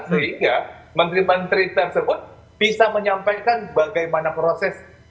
sehingga menteri menteri tersebut bisa menyampaikan bagaimana proses